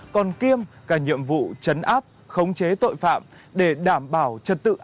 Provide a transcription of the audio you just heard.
còn kiêm cả nhiệm vụ chấn áp khống chế tội phạm để đảm bảo trật tự an toàn giao thông